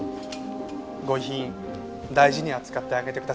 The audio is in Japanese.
ご遺品大事に扱ってあげてください。